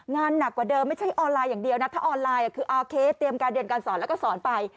หนักกว่าเดิมไม่ใช่ออนไลน์อย่างเดียวนะถ้าออนไลน์คือโอเคเตรียมการเรียนการสอนแล้วก็สอนไป